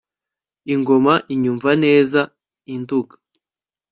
ingoma inyumva neza i Nduga